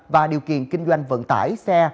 và điều kiện kinh doanh vận tải xe